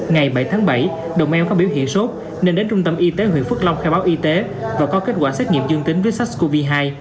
ngày bảy tháng bảy đồng em có biểu hiện sốt nên đến trung tâm y tế huyện phước long khai báo y tế và có kết quả xét nghiệm dương tính với sars cov hai